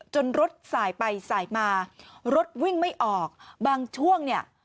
รถสายไปสายมารถวิ่งไม่ออกบางช่วงเนี่ย